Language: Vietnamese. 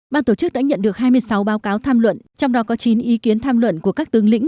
ban tổ chức đã nhận được hai mươi sáu báo cáo tham luận trong đó có chín ý kiến tham luận của các tướng lĩnh